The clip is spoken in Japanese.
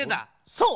そう！